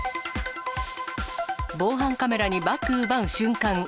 防犯カメラにバッグ奪う瞬間。